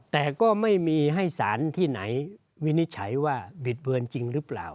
แต่ก็ไม่มีให้สารที่ไหนวินิจฉัยว่าบิดเบือนจริงหรือเปล่า